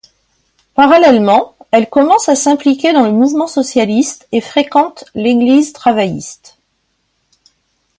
Parallèlement, elle commence à s'impliquer dans le mouvement socialiste et fréquente l'Église travailliste.